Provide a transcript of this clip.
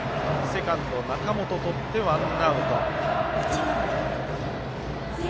セカンド、中本とってワンアウト。